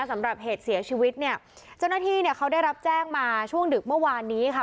สำหรับเหตุเสียชีวิตเนี่ยเจ้าหน้าที่เนี่ยเขาได้รับแจ้งมาช่วงดึกเมื่อวานนี้ค่ะ